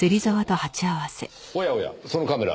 おやおやそのカメラ。